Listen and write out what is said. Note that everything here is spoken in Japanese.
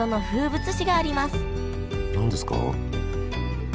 何ですか？